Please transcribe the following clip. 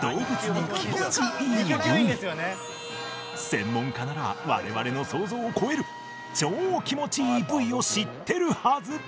専門家なら我々の想像を超える超気持ちいい部位を知ってるはず